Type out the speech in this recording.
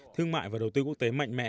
thương mại và đầu tư quốc tế mạnh mẽ